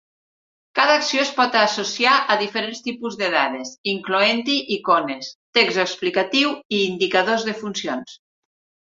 Cada acció es pot associar a diferents tipus de dades, incloent-hi icones, text explicatiu i indicadors de funcions.